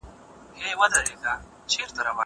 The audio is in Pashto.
زه کتاب نه ليکم!!!!